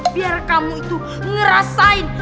biar kamu itu ngerasain